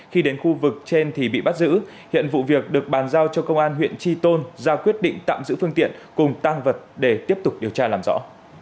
khi đến khu vực trên thì bị bắt giữ hiện vụ việc được bàn giao cho công an huyện tri tôn ra quyết định tạm giữ phương tiện cùng tăng vật để tiếp tục điều tra làm rõ